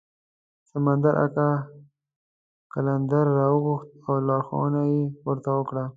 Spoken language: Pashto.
سمندر اکا قلندر راوغوښت او لارښوونې یې ورته وکړې.